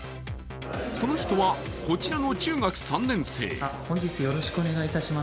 その人は、こちらの中学３年生。